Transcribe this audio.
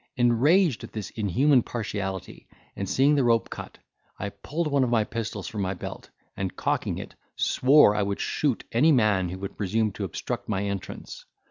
Enraged at this inhuman partiality, and seeing the rope cut, I pulled one of my pistols from my belt, and cocking it, swore I would shoot any man who would presume to obstruct my entrance.